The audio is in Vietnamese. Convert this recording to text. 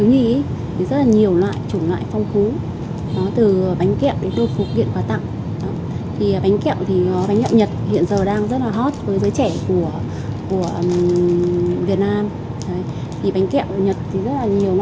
giới trẻ của việt nam bánh kẹo ở nhật rất nhiều